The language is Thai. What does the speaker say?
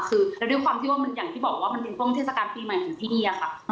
คือมันเป็นต้นเทศกาลปีใหม่ของที่เฮียค่ะ